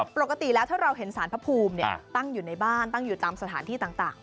ปกติแล้วถ้าเราเห็นสารพระภูมิตั้งอยู่ในบ้านตั้งอยู่ตามสถานที่ต่าง